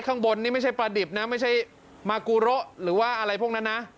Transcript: ข้างบนนี่ไม่ใช่ปลาดิบนะไม่ใช่มากูระหรือว่าอะไรพวกนั้นนะ